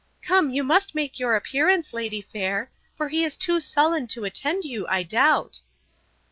—Come, you must make your appearance, lady fair; for he is too sullen to attend you, I doubt.